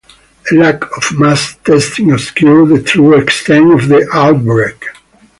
A lack of mass testing obscured the true extent of the outbreak.